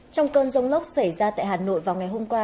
trong cơn rông lốc xảy ra tại hà nội vào ngày hôm qua